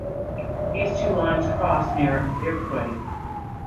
These two lines cross near Iroquois.